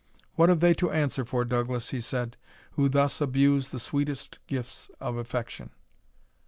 "What have they to answer for, Douglas," he said, "who thus abuse the sweetest gifts of affection?"